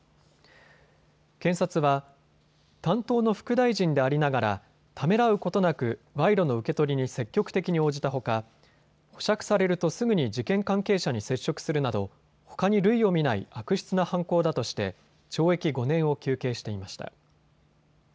検察は担当の副大臣でありながらためらうことなく賄賂の受け取りに積極的に応じたほか、保釈されるとすぐに事件関係者に接触するなどほかに類を見ない悪質な犯行だとして懲役５年を求刑していました。